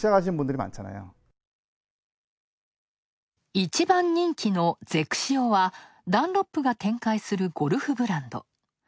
一番人気のゼクシオは、ダンロップが展開するゴルフブランド。